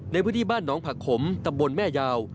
ในพื้นที่บ้านน้องผักขมตำบลแม่ยาว